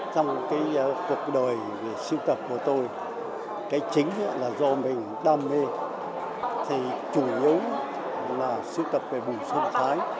cái chính là do mình đam mê thì chủ yếu là sưu tập về bùi xuân phái